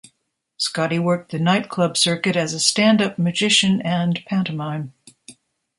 Scotti worked the night club circuit as a stand-up magician and pantomime.